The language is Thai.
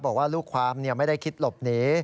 บอกว่ารูปความเนี่ยไม่ได้คิดหลบหนี